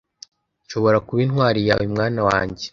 nshobora kuba intwari yawe, mwana wanjye